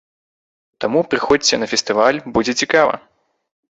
Таму прыходзьце на фестываль, будзе цікава!